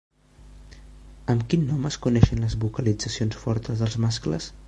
Amb quin nom es coneixen les vocalitzacions fortes dels mascles?